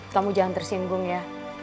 kamu jangan tersinggung ya